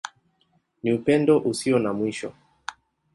Ni Upendo Usio na Mwisho.